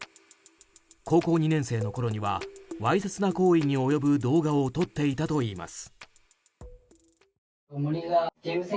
高校２年生のころにはわいせつな行為に及ぶ動画を撮っていたといいます。